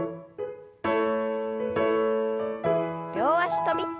両脚跳び。